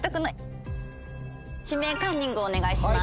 「指名カンニング」をお願いします。